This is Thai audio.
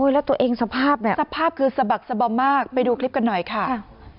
แล้วตัวเองสภาพเนี่ยสภาพคือสะบักสะบอมมากไปดูคลิปกันหน่อยค่ะ